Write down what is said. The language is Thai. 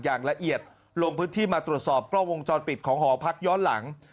อย่างละเอียดลงพื้นที่มาตรวจสอบกล้องวงจรปิดของหอพักย้อนหลัง